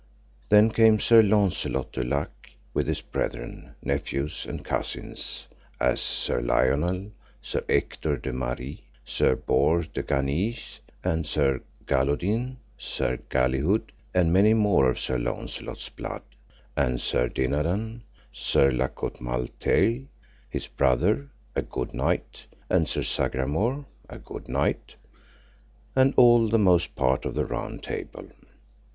Then came Sir Launcelot du Lake with his brethren, nephews, and cousins, as Sir Lionel, Sir Ector de Maris, Sir Bors de Ganis, and Sir Galihodin, Sir Galihud, and many more of Sir Launcelot's blood, and Sir Dinadan, Sir La Cote Male Taile, his brother, a good knight, and Sir Sagramore, a good knight; and all the most part of the Round Table.